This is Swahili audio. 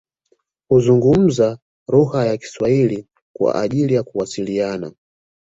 Huzungumza lugha ya kiswahili kwa ajili ya kuwasiliana